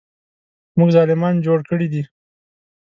موږ ظالمان جوړ کړي دي.